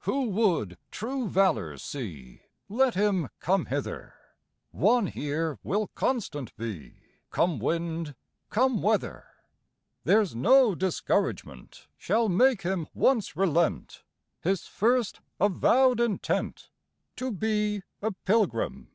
"Who would true valor see, Let him come hither; One here will constant be, Come wind, come weather; There's no discouragement Shall make him once relent His first avowed intent To be a pilgrim.